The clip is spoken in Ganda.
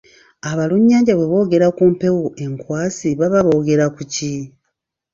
Abalunnyanja bwe boogera ku mpewo enkwasi baba boogera ku ki?